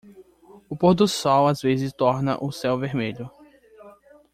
O pôr-do-sol às vezes torna o céu vermelho.